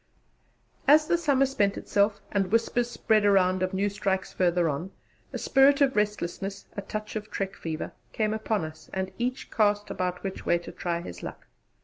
As the summer spent itself, and whispers spread around of new strikes further on, a spirit of restlessness a touch of trek fever came upon us, and each cast about which way to try his luck.